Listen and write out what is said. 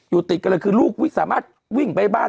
ติดกันเลยคือลูกวิสามารถวิ่งไปบ้าน